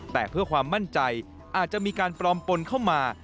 แต่เพื่อความมั่นใจอาจจะมีการปลอมปนเข้ามา